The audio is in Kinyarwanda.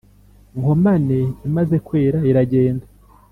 nkomane imaze kwera iragenda